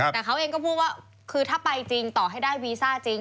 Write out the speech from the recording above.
แต่เขาเองก็พูดว่าคือถ้าไปจริงต่อให้ได้วีซ่าจริง